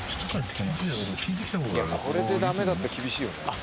これでダメだったら厳しいよね。